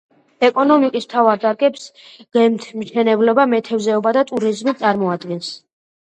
ეკონომიკის მთავარ დარგებს გემთმშენებლობა, მეთევზეობა და ტურიზმი წარმოადგენს.